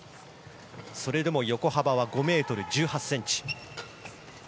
それでも横幅は５ｍ１８ｃｍ。